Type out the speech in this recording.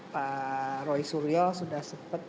pak roy suryo sudah sempat